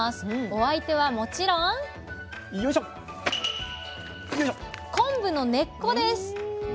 お相手はもちろん昆布の根っこです。